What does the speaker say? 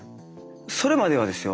それまではですよ